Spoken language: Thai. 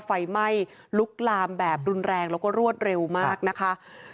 ไฟไหม้ลุกลามแบบรุนแรงแล้วก็รวดเร็วมากนะคะ